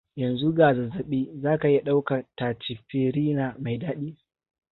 yanzu ga zazzabi zaka iya ɗaukar tachipirina mai daɗi